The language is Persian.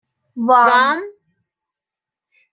وام